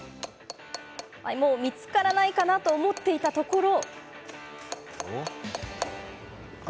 もう見つからないかと思っていたところ。